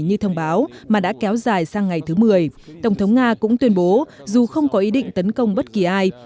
như thông báo mà đã kéo dài sang ngày thứ một mươi tổng thống nga cũng tuyên bố dù không có ý định tấn công bất kỳ ai